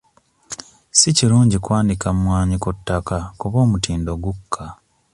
Si kirungi kwanika mwanyi ku ttaka kuba omutindo gukka.